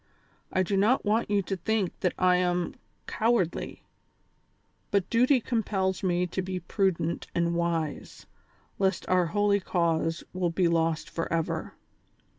I do not want you to think that I am cowardly, but duty compels me to be prudent and wise, lest our holy cause will be lost forever.